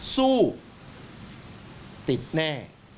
สู้ติดแน่